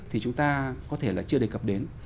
thì chúng ta có thể là chưa đề cập đến